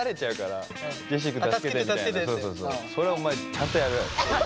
それはお前ちゃんとやれよ。